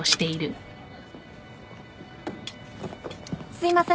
すいません。